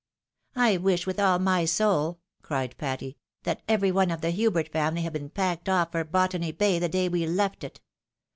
" I wish, with all my soul," cried Patty, " that every one of the Hubert family had been packed off for Botany Bay the day we left it